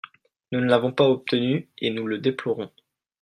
Nous ne l’avons pas obtenu et nous le déplorons.